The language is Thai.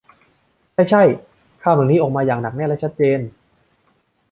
ใช่ ใช่ คำเหล่านี้ออกมาอย่างหนักแน่นและชัดเจน